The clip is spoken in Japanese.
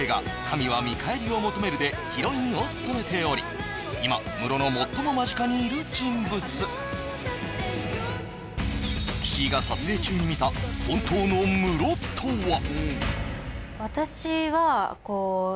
「神は見返りを求める」でヒロインを務めており今ムロの最も間近にいる人物岸井が撮影中に見た本当のムロとは？